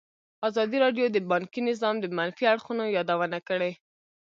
ازادي راډیو د بانکي نظام د منفي اړخونو یادونه کړې.